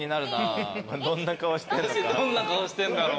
確かにどんな顔してんだろう